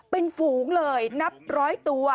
เป็นฝูงเลยนับร้อยตัว